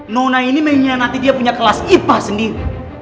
nona ini mengkhianati dia punya kelas ipa sendiri